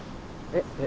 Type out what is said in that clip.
えっ？